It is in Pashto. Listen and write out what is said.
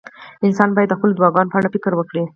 انسان باید د خپلو دعاګانو په اړه فکر وکړي.